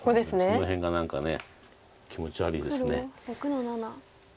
その辺が何か気持ち悪いです。